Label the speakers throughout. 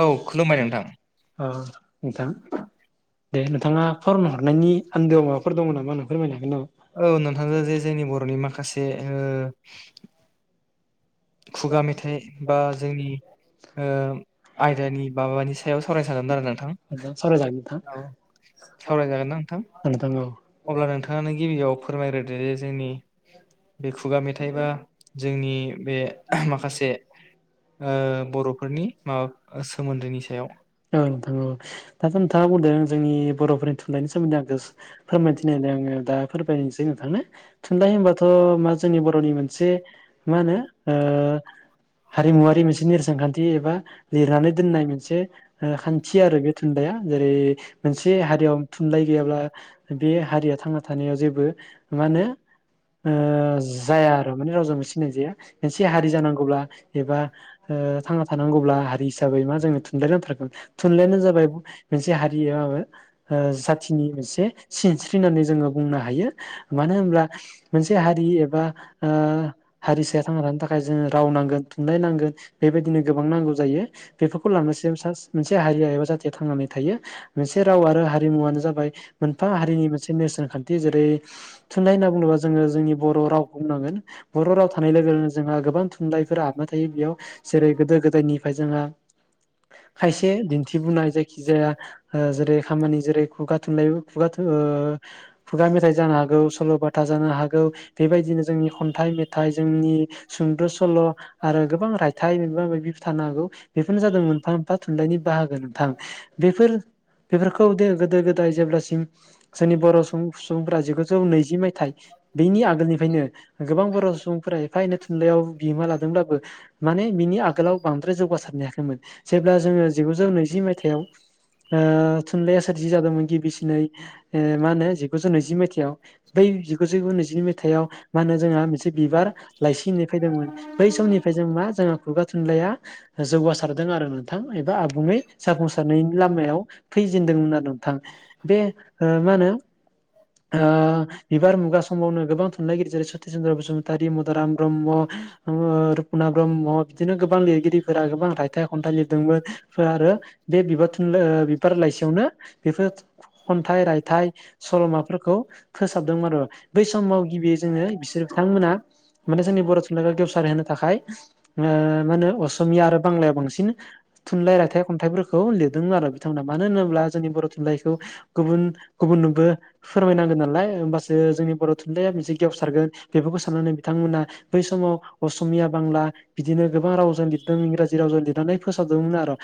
Speaker 1: औ खुलुमबाय नोंथां
Speaker 2: अ नोंथां दे नोंथाङा फन हरनायनि आन्दोआव माबाफोर दङ नामा नों फोरमायनो हागोन नामा?
Speaker 1: औ नोंथां जे जोंनि बर'नि माखासे ओ खुगा मेथाइ बा जोंनि आयदानि माबानि सायाव सावरायनो सानदोंमोन आरो नोंथां
Speaker 2: नामा? सावरायजागोन
Speaker 1: औ सावरायजागोन ना नोंथां
Speaker 2: नोंथां औ नोंथां औ
Speaker 1: अब्ला नोंथाङानो गिबियाव फोरमायग्रोदो जे जोंनि बे खुगा मेथाइबा जोंनि बे माखासे ओ बर'फोरनि माबा सोमोन्दोनि सायाव
Speaker 2: औ नोंथां द' नोंथाङा बुंदों जोंनि बर'फोरनि थुनलाइनि सोमोन्दै आं [unintelligible] फोरमायथिनो नायागिरदों आङो दा फोरमायनोसै नोंथांनो थुनलाइ होनबा थ' मा जोंनि बर'नि मोनसे मा होनो ओ हारिमुवारि मोनसे नेरसोन खान्थि एबा लिरनानै दोननाय मोनसे ओ खान्थि आरो बे थुनदइया जेरै मोनसे हारियाव थुनलाइ गैयाब्ला बे हारिया थांना थानायाव जेबो मा होनो? ओ जाया आरो माने रावजों सिनाय जाया एसे हारि जानांगौब्ला एबा थांना थानांगौब्ला ओ हारि हिसाबै मा जोंनो थुनलाइ नांथारगोन। थुनलाइयानो जाबाय मोनसे हारियो ओ जाथिनि मोनसे सिनस्रिनानै जोङो बुंनो हायो मानो होनब्ला मोनसे हारि एबा ओ हारिसाया थांना थानो थाखाय जोङो राव नांगोन थुनलाइ नांगोन बेबायदिनो गोबां नांगौ जायो। बेफोरखौ लानानैसो मोनसे हारिया एबा जाथिया थांनानै थायो। मोनसे राव आरो हारिमुआानो जाबाय मोनफा हारिनि मोनसे नेरसोन खान्थि जेरै
Speaker 1: [inaudible]
Speaker 2: थुनलाइ होनना बुङोबा जोङो जोंनि बर' रावखौ बुंनांगोन बर' राव थानाय लोगो लोगोनो जोंहा गोबां थुनलाइफोर हाबना थायो बेयाव जेरै गोदो
Speaker 1: बेफोर
Speaker 2: गोदायनिफ्राय जोंहा खायसे दिन्थिबोननाय जायखि जाया जेरै खामानि जेरै खुगा थुनलाइ खुगा ओ खुगा मेथाइ जानो हागौ सल'बाथा जानो हागौ बेबायदिनो जोंनि खन्थाइ मेथाइ जोंनि सुंद' सल' आरो गोबां रायथाइ मबा माबि थानो हागौ बेफोरनो जादों मोनफा थुनलाइनि बाहागो नोंथां बेफोर बेफोरखौदो गोदो गोदाय जेब्लासिम जोंनि बर' सुबुं सुबुंफोरा जिगुजौ नैजि मायथाइ बेनि आगोलनिफ्रायनो गोबां बर' सुबुंफोरा एफा एनै थुनलाइयाव बिहोमा लादोंब्लाबो माने बिनि आगोलाव बांद्राय जौगासारनो हायाखैमोन जेब्ला जोङो जिगुजौ नैजि मायथाइयाव ओ थुनलाइया सोरजि जादोंमोन गिबिसिनै ओ मा होनो जिगुजौ नैजि मायथाइयाव बै जिगुजौ नैजि मायथाइाव मा होनो जोंहा मोनसे बिबार लाइसि होननाय फैदोंमोन बै समनिफ्राय जों मा जोंहा खुगा थुनलाइया जौगासारदों आरो नोंथां एबा आबुङै जाफुंसारनायनि लामायाव फैजेनदोंमोन आरो नोंथां बे मा
Speaker 1: बर'
Speaker 2: होनो ओ बिबार मु गा खौनो गोबां थुनलाइगिरि जेरै सति चन्द्र बसुमतारी मदाराम ब्रह्म ओ रुपनाथ ब्रह्म बिदिनो गोबां लिरगिरिफोरा गोबां राइथाइ खन्थाइ लिरदोंमोन फोरा आरो बे बिबार थुनलाइ बिबार लाइसियावनो बेफोर खन्थाइ रायथाइ सल'माफोरखौ फोसाबदोंमोन आरो बै समाव गिबियै जोङो बिसोर बिथांमोना माने जोंनि बर' थुनलाइखौ गेवसार होनो थाखाय मा होनो असमिया आरो बांलाया बांसिन थुनलाइ रायथाइ खन्थाइफोरखौ लिरदोंमोन आरो बिथांमोना मानो होनोब्ला जोंनि बर' थुनलाइखौ गुबुन गुबुननोबो फोरमायनांगोन नालाय होमबासो जोंनि बर' थुनलाइया मोनसे गेवसारगोन बेफोरखौ साननानै बिथांमोना बै समाव असमिया बांला बिदिनो गोबां रावजों लिरदों इंराजि रावजों लिरनानै फोसावदोंमोन आरो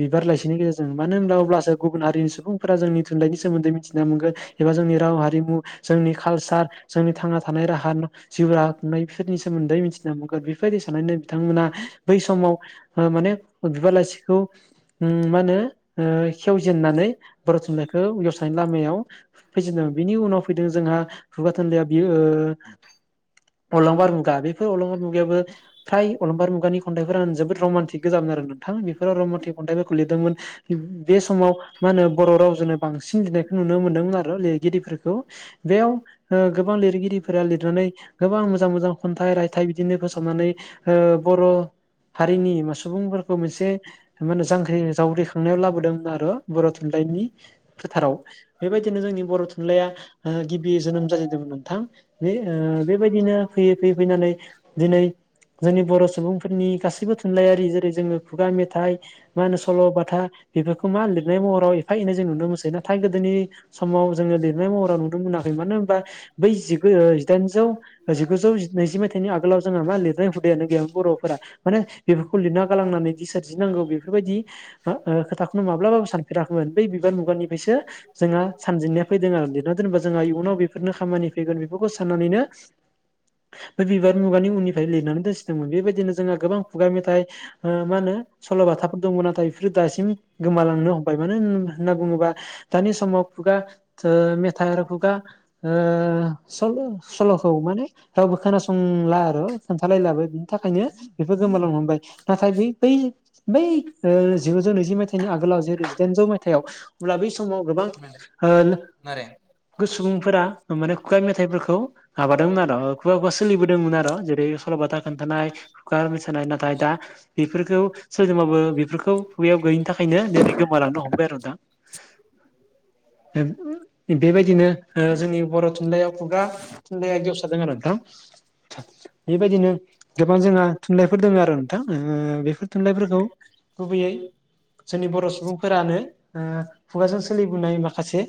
Speaker 2: बिबार लाइसिनि गेजेरजों मानो होनब्ला अब्लासो गुबुन हारिनि सुबुंफोरा जोंनि थुनलाइनि सोमोन्दै मिथिना मोनगोन एबा जोंनि राव हारिमु जोंनि कालसार जोंनि थांना थानाय राहा जिउ राहा खुंनायफोरनि सोमोन्दै मिथिना हगोन बेफोरबायदि साननानै बिथांमोना बै समाव ओ माने बिबार उम लाइसिखौ
Speaker 1: बेलासिखौ
Speaker 2: मा होनो
Speaker 1: नुनानै
Speaker 2: ओ खेवजेन्नानै
Speaker 1: खेवजेननानै
Speaker 2: बर' थुनलाइखौ गेवस्रानि लामायाव फैजेनदों बिनि उनाव फैदों जोंहा खुगा थुनलाया बियो ओ
Speaker 1: गावसोरनि बे समाव
Speaker 2: अलंबार मुगा
Speaker 1: जोङो
Speaker 2: बेफोर अलंबार मुगायाबो फ्राय अलंबार मुगानि खन्थाइफोराानो जोबोद रमान्टिक गोजाबनो आरोना नोंथां बेफोर राव मथे खन्थाइफोरखौ लिरदोंमोन बे समाव मा होनो बर' रावजोंनो बांसिन लिरनायखौ नुनो मोन्दोंमोन आरो लिरगिरिफोरखौ बेयाव ओ गोबां लिरगिरिफोरा लिरनानै गोबां मोजां मोजां खन्थाइ रायथाइ बिदिनो फोसावनानै ओबर' हारिनिा सुबुंफोरखौ मोनसे मा होनो
Speaker 1: मोजां
Speaker 2: जांख्रि जावरिखांनायाव
Speaker 1: बेबायदिनो
Speaker 2: लाबोदोंमोन आरो बर' थुनलाइनि फोथाराव बेबायदिनो जोंनि बर' थुनलाइया ओ गिबि जोनोम जाजेनदोंमोन नोंथां बे ओ बेबायदिनो फैयै फैयै फैनानै दिनै जोंनि बर' सुबुंफोरनि गासैबो थुनलाइयारि जेरै जोङो खुगा मेथाइ मा होनो सल'बाथा बेफोरखौ मा लिरनाय महराव एफा एनै जों नुनो मोनोसै नाथाय गोदोनि समाव जोङो लिरनाय महराव नुनो मोनाखै मानो होनबा बै जिगु जिदाइनजौ जिगुजौ नैजि मायथाइनि आगोलाव जोंहा मा लिरनाय हुदायानो गैयामोन बर'फोरा माने बेफोरखौ लिरना गालांनानै दि सोरजिनांगौ बेफोरबायदि ओ खोथानो माब्लाबाबो सानफेराखैमोन बै बिबार मुगानिफ्रायसो जोंहा सानजेननाय फैदों आरो जेनेबा जोंहा इयुनाव बे खामानि फैगोन बेफोरखौ साननानैनो बे बिबार मुगानि उननिफ्राय लिरनानै दोनसिनदोंमोन बेबायदिनो जोंहा गोबां खुगा मेथाइ ओ मा होनो सल'बाथाफोर दंमोन नाथाय बे दासिम गोमालांनो हमबाय मानो होन होनना बुङोबा दानि समाव खुगा ओ मेथाइ आरो खुगा ओ सल' सल'खौ माने रावबो खोनासंला आरो खोन्थालायलाबो बिनि थाखायनो बेफोर गोमालांनो हमबाय नाथाय बै बै बै ओ जिगुजौ नैजि मायथाइनि आगोलाव जे जिदाइनजौ मायथाइयाव अब्ला बै समाव गोबां ओ सुबुंफोरा
Speaker 1: [unintelligible]
Speaker 2: माने खुगा मेथाइफोरखौ माबादोंमोन आर' खुगा खुगा सोलिबोदोंमोन आर' जेरै सल'बाथा खोनथानाय [unintelligible] मोसानाय नाथाय दा बेफोरखौ सोरजोंबाबो बेफोरखौ बेयाव
Speaker 1: नारें
Speaker 2: गैयिनि थाखायनो दिनै गोमालांनो हमबाय आरो दा
Speaker 1: [inaudible]
Speaker 2: ओ
Speaker 1: औ
Speaker 2: बेबायदिनो ओ जोंनि बर' थुनलायाव खुगा थुनलाइया गेवसारदों आरो नोंथां बिबायदिनो गोबां जोंहा थुनलाइफोर दोङो आरो नोंथां ओम बेफोर थुनलाइफोरखौ गुबैयै जोंनि बर' सुबुंफोरानो ओ खुगाजों सोलिबोनाय माखासे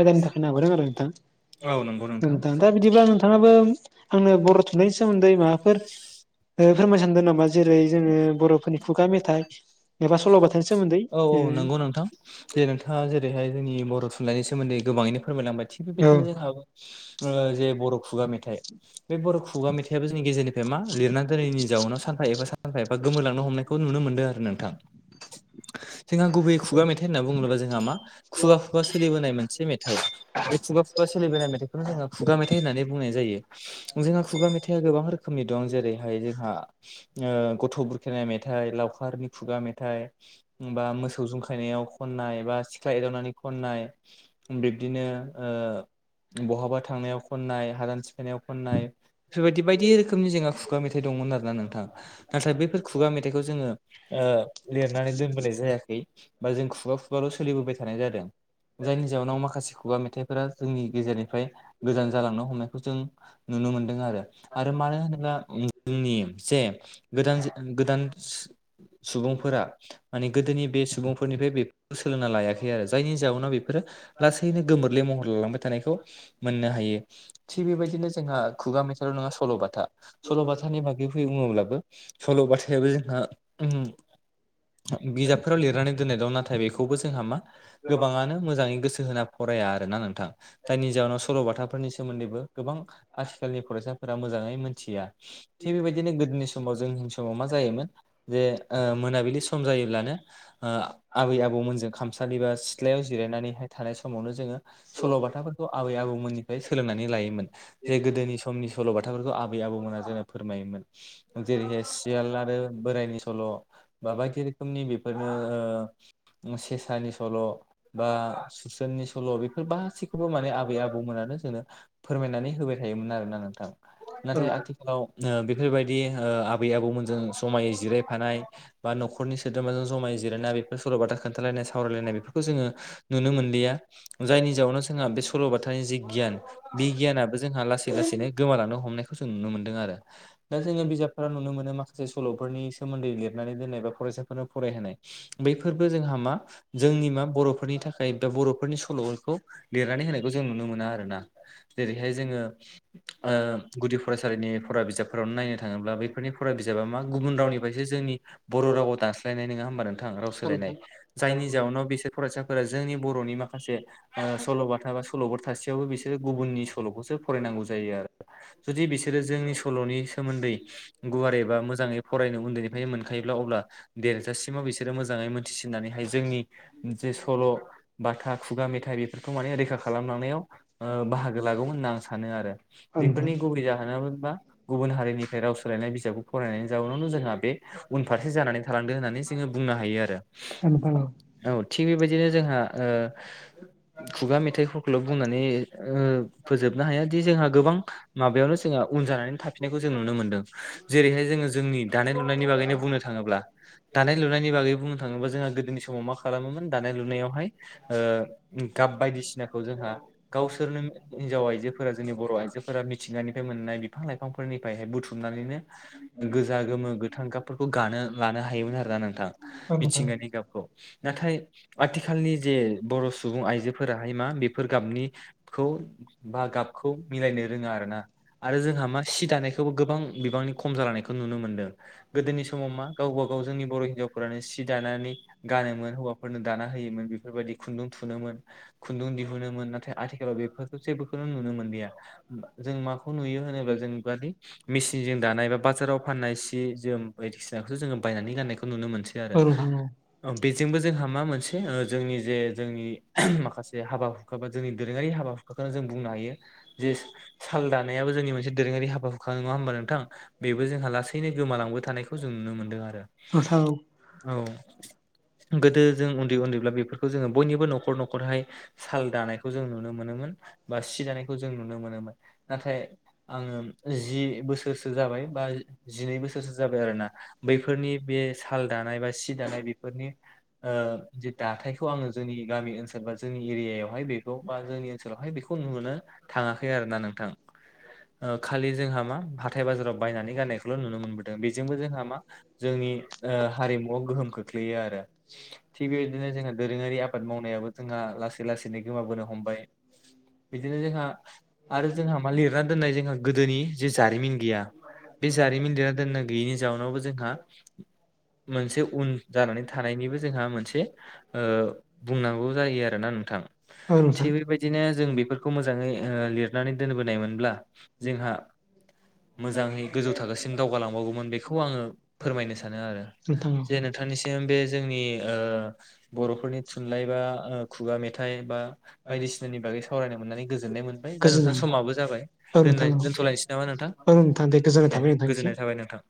Speaker 2: आयदानि थाखायनो हाबोदों आरो नोंथां नोंथां दा बिदिब्ला नोंथाङाबो आंनो बर' थुनलाइनि सोमोन्दै माबाफोर ओ फोरमाय सानदो नामा? जेरै जोङो बर'फोरनि खुगा मेथाइ एबा सल'बाथानि सोमोन्दै
Speaker 1: औ औ
Speaker 2: ओ
Speaker 1: नंगौ नोंथां जे नोंथाङा जेरैहाय जोंनि बर' थुनलाइनि सोमोन्दै गोबाङैनो फोरमायलांबाय थिग
Speaker 2: ओ औ
Speaker 1: बेबायदिनो जोंहा ओ जे बर' खुगा मेथाइ बे बर' खुगा मेथाइआबो जोंनि गेजेरनिफ्राय मा लिरना दोनैनि जाउनाव सान फा एबा सानफा एबा गोमोरलांनो हमनायखौ नुनो मोनदों आरो नोंथां जोंहा गुबैयै खुगा मेथाइ होनना बुङोबा जोंहा मा खुगा खुगा सोलिबोनाय मोनसे मेथाइ बे खुगा खुगा सोलिबोनाय मेथाइखौनो जोङो खुगा मेथाइ होननानै बुंनाय जायो। जोंहा खुगा मेथाइआ गोबां रोखोमनि दं जेरैहाय जोंहा ओ गथ' बुरखायनाय मेथाइ लावखारनि खुगा मेथाइ बा मोसौ जं खायनायाव खननाय बा सिख्ला एदावनानै खननाय बिब्दिनो ओ बहाबा थांनायाव खननाय हादान सि फायनायाव खननाय बेफोरबायदि बायदि रोखोमनि जोङा खुगा मेथाइ दंमोन आरोना नोंथां नाथाय बैफोर खुगा मेथाइखौ जोङो ओ लिरनानै दोनबोनाय जायाखै। बा जों खुगा खुगाल' सोलिबोबाय थानाय जादों जायनि जाउनाव माखासे खुगा मेथाइ फोरा जोंनि गेजेरनिफ्राय गोजान जालांनो हमनायखौ जों नुनो मोनदों आरो आरो मानो होनोब्ला जोंनि जे गोदान गोदान सुबुंफोरा माने गोदोनि बे सुबुंफोरनिफ्राय बेफोर सोलोंना लायाखै आरो जायनि जाउनाव बे बेफोरो लासैनो गोमोरले महर लालांबाय थानायखौ मोननो हायो थिग बेबायदिनो जोंहा खुगा मेथायल' नङा सल'बाथा सल'बाथानि बागै फैयो बुङोब्लाबो सल' बाथायाबो जोंहा ओम बिजाबफोराव लिरनानै दोननाय दं नाथाय बेखौबो जोंहा मा गोबाङानो मोजाङै गोसो होना फराया आरोना नोंथां जायनि जाउनाव सल'बाथाफोरनि सोमोन्दैबो गोबां आथिखालनि फरायसाफोरा मोजाङै मोनथिया थिग बेबायदिनो गोदोनि समाव जों समाव मा जायोमोन जे ओ मोनाबिलि सम जायोब्लानो ओ आबै आबौमोनजों खामसालि बा सिथ्लायाव जिरायनानैहाय थानाय समावनो जोङो सल'बाथाफोरखौ आबै-आबौमोननिफ्राय सोलोंनानै लायोमोन जे गोदोनि समनि सल'बाथाफोरखौ आबै-आबौमोना जोंना फोरमायोमोन जेरैहाय सियाल आरो बोरायनि सल' बा बायदि रोखोमनि बेफोरनो सेसानि सल' बा सुसोननि सल' बेफोर गासैखौबो माने आबै-आबौमोनानो जोंनो फोरमायनानै होबाय थायोमोन आरोना नोंथां
Speaker 2: औ
Speaker 1: नाथाय आथिखालाव ओ बेफोरबायदि बिदि ओ आबै आबौ मोनजों ज'मायै जिरायफानाय बा न'खरनि सोद्रोमाजों जों जमायै जिरायना बेफोर सरल'बाथा खोन्थालायनाय सावरायलायनाय बेफोरखौ जोङो नुनो मोनलिआ जायनि जाावनाव जोंहा बे सल'बाथानि जि गियान बे गियानाबो जोंहा लासै लासैनो गोमालांनो हमनायखौ जों नुनो मोनदों आरो दा जोङो बिजाबफोरा नुनो मोनो माखासे माखासे सल'फोरनि सोमोन्दै लिरनानै दोननाय बा फरायसाफोरनो फरायहोनाय बैफोरबो जोंहा मा जोंनि मा बर'फोरनि थाखाय बा बर'फोरनि सल'फोरखौ लिरनानै होनायखौ जों नुनो मोना आरो ना जेरैहाय जोङो ओ गुदि फरायसालिनि फरा बिजाब फोरावनो नायनो थाङोब्ला बैफोरनि फराय बिजाबा मा गुबुन रावनिफ्रायसो जोंनि बर' राव दानस्लायनाय नङा होमबा नों नोंथां राव सोलायनाय
Speaker 2: नोंथां
Speaker 1: जायनि जाउनाव बिसोर फरायसाफोरा जोंनि बर'नि माखासे ओ सल' बाथा बा स सल'फोर थासेआवबो बिसोरो गुबुननि सल'खौसो फरायनांगौ जायो आरो जुदि बिसोरो जोंनि सल'नि सोमोन्दै गुवारै बा मोजाङै फरायनो उन्दैनिफ्रायनो मोनखायोब्ला अब्ला देरजा सिमाव बिसोरो मोजाङै मोनथिसिननानैहाय जोंनि जे सल' बाथा खुगा मेथाइ बेफोरखौ माने रैखा खालामलांनायाव ओ बाहागो लागौमोन होनना आं सानो आरो
Speaker 2: औ नोंथां औ
Speaker 1: बेफोरनि गुबै जाहोनाव बा गुबुन हारिनिफ्राय राव सोलायनाय बिजाबखौ फरायनायनि जाउनावनो जोंहा बे उन फारसे जानानै थालांदों होननानै जोङो बुंनो हायो आरो औ थिग बेबायदिनो जोंहा ओ खुगा मेथाइखौ खौल' बुंनानै ओ फोजोबनो हाया दि जोंहा गोबां माबायावनो जोंहा उन जानानै थाफि जों नुनो मोनदों जेरैहाय जोङो जोंनि दानाय लुनायनि बागैनो बुंनो थाङोब्ला दानाय लुनायनि बागै बुंनो थाङोबा जोंहा गोदोनि समाव मा खालामोमोन दानाय लुनायावहाय ओ गाब बायदिसिनाखौ जोंहा गावसोरनो हिनजाव इदि फोन फोरख जोंनि बर' आइजोफोरा मिथिंगानिफ्राय मोननाय बिफां लाइफांफोरनिफ्रायहाय बुथुमनानैनो गोजा गोमो गोथां गाबफोरखौ गानो लानो हायोमोन आरोना नोंथां
Speaker 2: औ नोंथां औ नोंथां औ
Speaker 1: मिथिंगानि गाबखौ नाथाय आथिखालनि जे बर' सुबुं आइजोफोराहाय मा बेफोर गाबनि खौ बा गाबखौ मिलायनो रोङा आरो ना आरो जोंहा मा सि दानायखौबो गोबां बिबांनि खम जालांनायखौ नुनो मोनदों गोदोनि समाव मा गावबा गाव जोंनि बर' हिन्जावफोरानो सि दानानै गानोमोन ओ हौवाफोरनो दाना होयोमोन बेफोरबादि खुन्दुं थुनोमोन खुन्दुं दिहुनोमोन नाथाय आथिखालाव बेफोरखो जेफोरखौनो नुनो मोनलिआ जों माखौ नुयो होनोब्ला जों खालि मेसिनजों
Speaker 2: नोंथां
Speaker 1: दानाय बा बाजाराव
Speaker 2: नोंथां औ
Speaker 1: फाननाय सि जोम बायदिसिनाखौसो जों बायनानै गाननायखौ नुनो मोनसै
Speaker 2: औ नोंथां औ
Speaker 1: ओ बेजोंबो जोंहा मा मोनसे ओ जोंनि जे जोंनि माखासे ओह हा हाबा हुखा बा जोंनि दोरोंआरि हाबा हुखाखौनो जों बुंनो हायो जे साल दानायाबो जोंनि मोनसे दोरोंआरि हाबा बा नङा होमबा नोंथां बेबो जोंहा लासैनो गोमालांबाय थानायखौ जों नुनो मोनदों आरो औ गोदो जों उन्दै उन्दैब्ला बेफोरखौ जोङो बयनिबो न'खर न'खरहाय साल दानायखौ जों नुनो मोनोमोन बा सि दानायखौ जों नुनो मोनोमोन नाथाय आङो जि बोसोरसो जाबाय बा जिनै बोसोरसो जाबाय आरोना बैफोरनि बे साल दानाय बा सि दानाय बेफोरनि ओ जि दाथायखौ आङो जोंनि गामि ओनसोल बा जोंनि एरियायावहाय बेखौ बा जोंनि ओनसोलावहाय बेखौ गुबुन मोनो थांआखै आरो ना नोंथां ओ खालि जोंहा मा हाथाय बाजाराव बायनानै गाननायखौल' नुनो मोनबोदों बेजोंबो जोंहा मा जोंनि ओ हारिमुआव गोहोम खोख्लैयो आरो थिग बेबायदिनो जोंहा दोरोंआरि आबाद मावनायाबो जोंहा लासै लासैनो गोमाबोनो हमबाय बिदिनो जोंहा आरो जोंहा मा लिरना दोननाय जोंहा गोदोनि जे जारिमिन गैया बे जारिमिन लेरना दोननाय गैयैनि जाउनावबो जोंहा मोनसे उन जानानै था थानायनिबो जोंहा मोनसे बुंनांगौ जायो आरोना नोंथां। थिग बेबायदिनो जों बेफोरखौ मोजाङै लिरनानै दोनबोनायमोनब्ला जोंहा मोजांङै गोजौ थाखोसिम दावगालांबावगौमोन बेखौ आङो फोरमायनो सानो आरो जेन नोनिसिम बे जोंनि बर'फोरनि थुनलाइ बा खुगा मेथाइ बा बायदिसिनानि बागै सावरायनो मोननानै गोजोननाय मोनबाय दा
Speaker 2: गोजोन
Speaker 1: नोंथां समाबो जाबाय।
Speaker 2: औ नोंथां औ
Speaker 1: दोन्थ'लायनोसै नामा नोंथां
Speaker 2: औ नोंथां गोजोननाय
Speaker 1: दे
Speaker 2: थाबाय नोंथांनिसिम
Speaker 1: गोजोननाय थाबाय नोंथां।